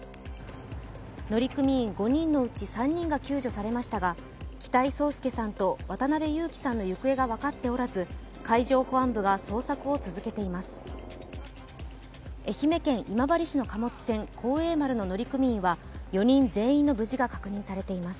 乗組員５人のうち３人が救助されましたが、北井宗佑さんと渡辺侑樹さんの行方が分かっておらず、海上保安部が捜索を続けています。